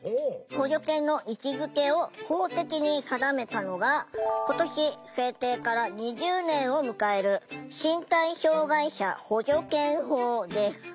補助犬の位置づけを法的に定めたのが今年制定から２０年を迎える「身体障害者補助犬法」です。